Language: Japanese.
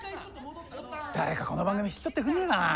誰かこの番組引き取ってくんないかなあ。